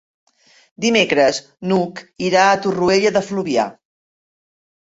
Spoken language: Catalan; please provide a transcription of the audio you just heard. Dimecres n'Hug irà a Torroella de Fluvià.